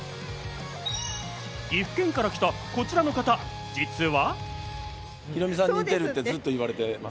岐阜県から来たこちらの方、実は。